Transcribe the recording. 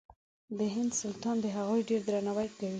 د هند سلطان د هغوی ډېر درناوی کوي.